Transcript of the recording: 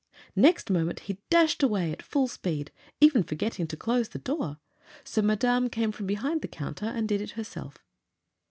Next moment he dashed away at full speed, even forgetting to close the door; so Madame came from behind the counter and did it herself.